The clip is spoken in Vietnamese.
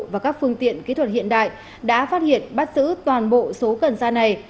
và các phương tiện kỹ thuật hiện đại đã phát hiện bắt xử toàn bộ số cần xa này